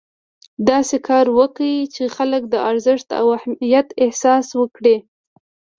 داسې کار کوئ چې خلک د ارزښت او اهمیت احساس وکړي.